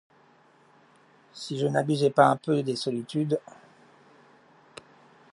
Si je n'abusais pas un peu des solitudes !